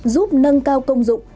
giúp nâng cao công dụng